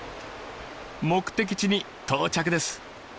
目的地に到着です。